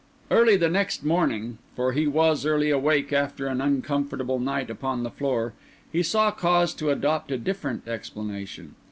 Early the next morning (for he was early awake after an uncomfortable night upon the floor), he saw cause to adopt a different explanation.